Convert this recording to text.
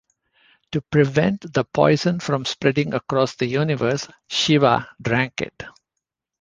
To prevent the poison from spreading across the universe, Shiva drank it.